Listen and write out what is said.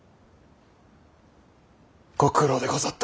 ご苦労でござった。